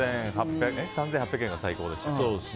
３８００円が最高でしたから。